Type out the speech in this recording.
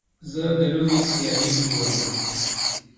زه د لوبې سیالۍ ګورم.